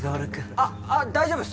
あっあっ大丈夫っす。